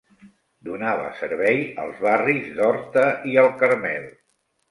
Donava servei als barris d'Horta i el Carmel.